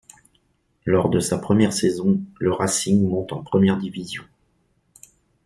Lors de sa première saison, le Racing monte en première division.